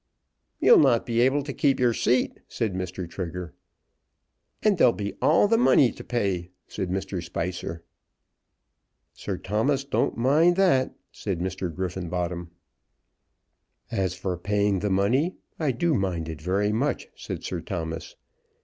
"You'll not be able to keep your seat," said Mr. Trigger. "And there'll be all the money to pay," said Mr. Spicer. "Sir Thomas don't mind that," said Mr. Griffenbottom. "As for paying the money, I do mind it very much," said Sir Thomas.